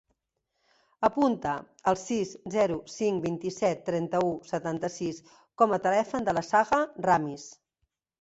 Apunta el sis, zero, cinc, vint-i-set, trenta-u, setanta-sis com a telèfon de la Saja Ramis.